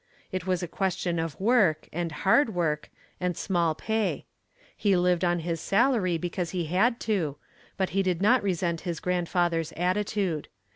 It was a question of work, and hard work, and small pay. He lived on his salary because he had to, but he did not resent his grandfather's attitude.